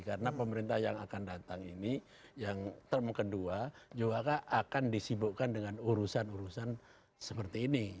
karena pemerintah yang akan datang ini yang term kedua juga akan disibukkan dengan urusan urusan seperti ini